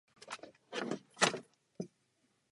Na nádraží byly vybudovány dva podchody.